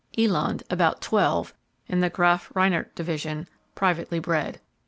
Eland: About 12 in the Graaff Reinet division, privately bred.